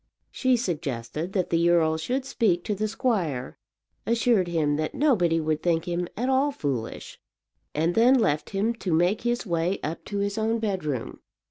She suggested that the earl should speak to the squire, assured him that nobody would think him at all foolish, and then left him to make his way up to his own bedroom.